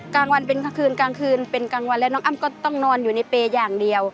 กลางวันเป็นกลางคืนแล้วน้องอ้ำก็ต้องนอนอยู่ในเปย์อย่างเดียว